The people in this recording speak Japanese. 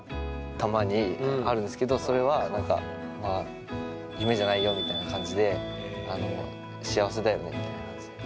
たまにあるんですけどそれは何かみたいな感じで幸せだよねみたいな感じですね。